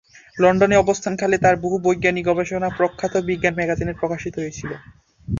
লন্ডনে অবস্থানকালে তাঁর বহু বৈজ্ঞানিক গবেষণা প্রখ্যাত বিজ্ঞান ম্যাগাজিনে প্রকাশিত হয়েছিল।